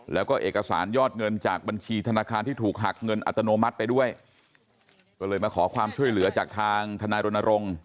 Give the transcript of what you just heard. แล้วก็เอกสารยอดเงินจากบัญชีธนาคารที่ถูกหักเงินอัตโนมัติไปด้วยก็เลยมาขอความช่วยเหลือจากทางทนายรณรงค์